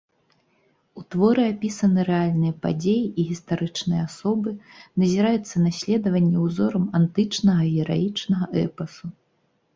У творы апісаны рэальныя падзеі і гістарычныя асобы, назіраецца наследаванне ўзорам антычнага гераічнага эпасу.